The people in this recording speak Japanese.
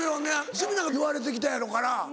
鷲見なんか言われてきたやろうから。